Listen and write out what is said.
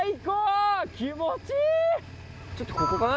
ちょっとここかな？